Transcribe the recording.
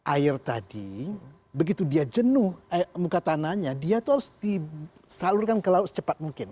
air tadi begitu dia jenuh muka tanahnya dia itu harus disalurkan ke laut secepat mungkin